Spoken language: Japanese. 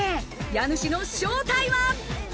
家主の正体は？